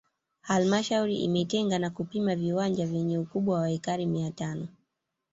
Halmashauri imetenga na kupima viwanja vyenye ukubwa wa ekari mia tano